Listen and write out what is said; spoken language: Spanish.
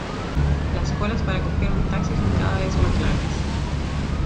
Las colas para coger un taxi son cada vez más largas.